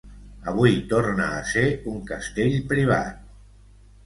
Avui torna a ser un castell privat.